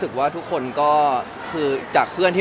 แล้วถ่ายละครมันก็๘๙เดือนอะไรอย่างนี้